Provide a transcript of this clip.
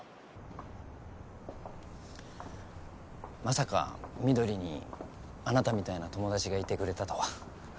まさか翠にあなたみたいな友達がいてくれたとは。